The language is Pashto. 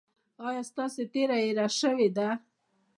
ایا ستاسو تیره هیره شوې ده؟